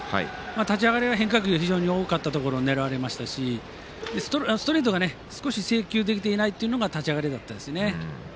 立ち上がりは変化球、非常に多かったところを狙われましたしストレートが少し制球できていないというのが立ち上がりだったですね。